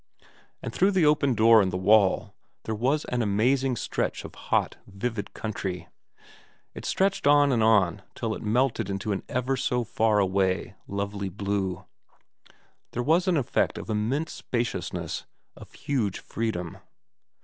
And through the open door in the wall there was an amazing stretch of hot, vivid country. It stretched on and on till it melted into an ever so far away lovely blue. There was an efiect of immense spaciousness, of huge freedom.